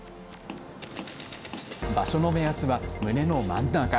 場所の目安は胸の真ん中。